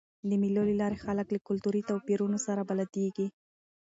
د مېلو له لاري خلک له کلتوري توپیرونو سره بلدیږي.